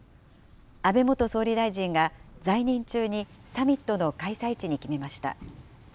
安倍元総理大臣が在任中にサミットの開催地に決めました。